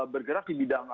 bergerak di bidang